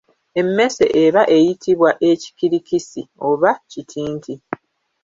Emmese eba eyitibwa ekikirikisi oba kitinti.